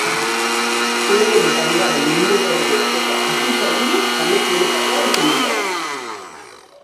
Lehen eta Bigarren Mundu Gerren arteko afixa-egile famatuenetakoa izan zen.